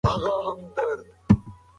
دی د مینې په لار کې یو ریښتینی لاروی دی.